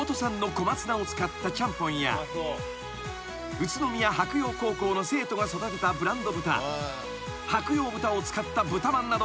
［宇都宮白楊高校の生徒が育てたブランド豚白楊豚を使った豚まんなど］